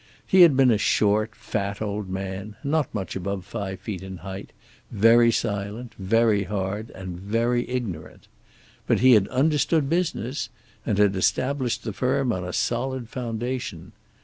He had been a short, fat old man, not much above five feet high, very silent, very hard, and very ignorant. But he had understood business, and had established the firm on a solid foundation.